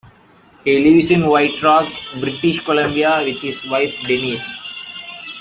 He lives in White Rock, British Columbia with his wife Denise.